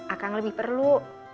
akang lebih perlu